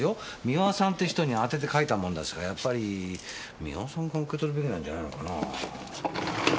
三輪さんって人に宛てて書いたもんですからやっぱり三輪さんが受け取るべきなんじゃないのかなぁ。